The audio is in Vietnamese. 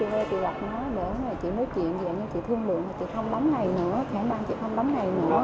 chị vê gặp nó chị nói chuyện với chị thương lượng chị không lắm ngày nữa khả năng chị không lắm ngày nữa